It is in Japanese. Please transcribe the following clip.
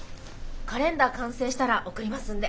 カレンダー完成したら送りますんで。